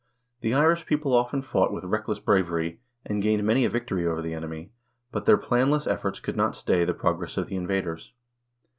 The Irish people often fought with reckless bravery, and gained many a victory over the enemy, but their planless efforts could not stay the progress of the invaders.